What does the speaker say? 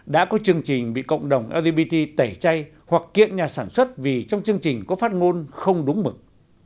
đã có chương trình bị cộng đồng lgbt tẩy chay hoặc kiện nhà sản xuất vì trong chương trình có phát ngôn không đúng mực